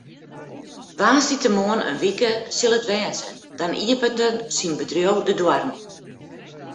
Woansdeitemoarn in wike sil it wêze, dan iepenet syn bedriuw de doarren.